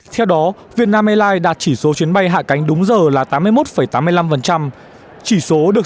theo đó vietnam airlines đạt chỉ số chuyến bay hạ cánh đúng giờ là tám mươi một tám mươi năm chỉ số được